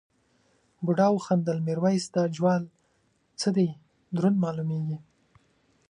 بوډا وخندل میرويس دا جوال څه دی دروند مالومېږي.